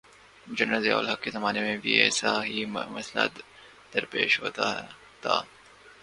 General Zia ul-Haq کے زمانے میں بھی ایسا ہی مسئلہ درپیش ہوا تھا۔